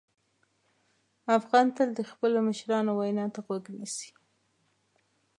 افغان تل د خپلو مشرانو وینا ته غوږ نیسي.